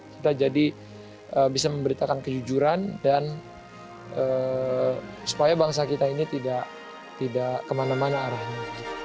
kita jadi bisa memberitakan kejujuran dan supaya bangsa kita ini tidak kemana mana arahnya